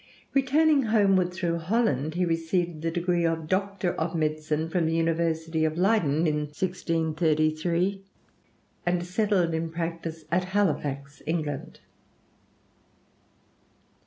Returning homeward through Holland, he received the degree of doctor of medicine from the University of Leyden in 1633, and settled in practice at Halifax, England.